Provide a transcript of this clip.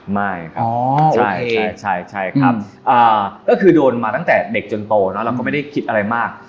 ไม่ครับโอเคใช่ครับก็คือโดนมาตั้งแต่เด็กจนโตเนอะเราก็ไม่ได้คิดอะไรมาก